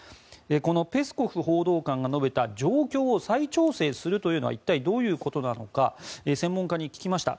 このペスコフ報道官が述べた状況を再調整するというのは一体どういうことなのか専門家に聞きました。